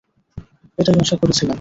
এটাই আশা করেছিলাম।